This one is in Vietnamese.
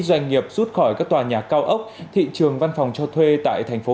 do doanh nghiệp rút khỏi các tòa nhà cao ốc thị trường văn phòng cho thuê tại tp hcm đã sôi động trở lại